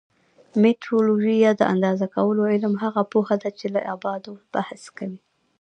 میټرولوژي یا د اندازه کولو علم هغه پوهه ده چې له ابعادو بحث کوي.